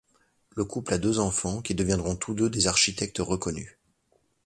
Le couple a deux enfants, qui deviendront tous deux des architectes reconnus.